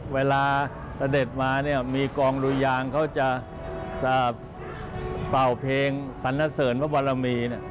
เวลาสเด็จมามีกองรุยางเขาจะเป่าเพลงสันเทศรพระบรมี